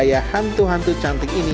gaya hantu hantu cantik ini